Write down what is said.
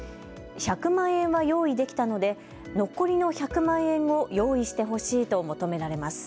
１００万円は用意できたので残りの１００万円を用意してほしいと求められます。